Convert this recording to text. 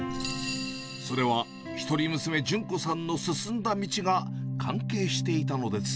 それは一人娘、純子さんの進んだ道が、関係していたのです。